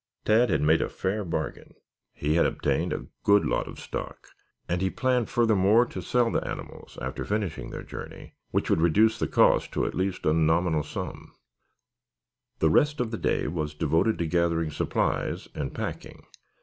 Tad had made a fair bargain. He had obtained a good lot of stock and he planned, furthermore, to sell the animals after finishing their journey, which would reduce the cost at least to a nominal sum. The rest of the day was devoted to gathering supplies and packing.